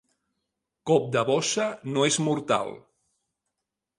Cop de bossa no és mortal.